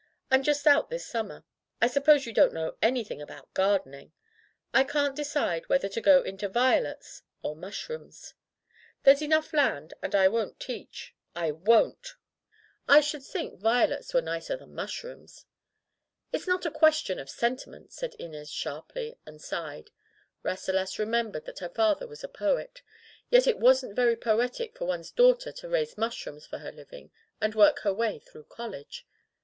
I'm just out this summer. I suppose you don't know anything about gardening ? I can't decide whether to go into violets or mushrooms. There's enough land, and I won't teach — I won't!" Digitized by LjOOQ IC Rasselas in the Vegetable Kingdom "I should think violets were nicer than mushrooms/' "It's not a question of sentiment," said Inez sharply, and sighed. Rasselas remem bered that her father was a poet. Yet it wasn't very poetic for one's daughter to raise mushrooms for her living and work her way through college.